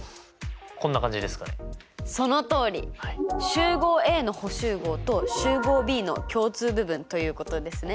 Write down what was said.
集合Ａの補集合と集合Ｂの共通部分ということですね。